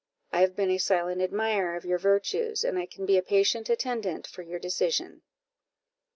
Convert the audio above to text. I have been a silent admirer of your virtues, and I can be a patient attendant for your decision."